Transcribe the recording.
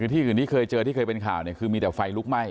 ที่อื่นที่เคยเจอที่เคยเป็นข่าวเนี่ยคือมีแต่ไฟลุกไหม้